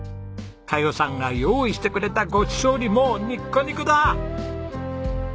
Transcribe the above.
佳代さんが用意してくれたごちそうにもうニッコニコだあ！